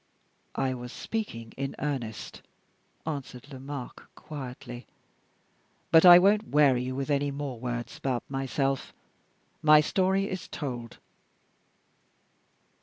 "I was speaking in earnest," answered Lomaque, quietly; "but I won't weary you with any more words about myself. My story is told."